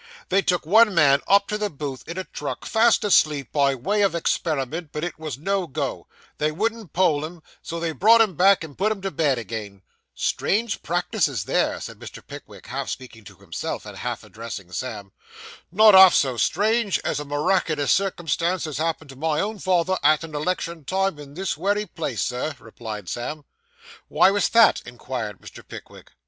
They took one man up to the booth, in a truck, fast asleep, by way of experiment, but it was no go they wouldn't poll him; so they brought him back, and put him to bed again.' Strange practices, these,' said Mr. Pickwick; half speaking to himself and half addressing Sam. 'Not half so strange as a miraculous circumstance as happened to my own father, at an election time, in this wery place, Sir,' replied Sam. 'What was that?' inquired Mr. Pickwick.